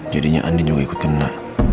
jadinya andi juga ikut kena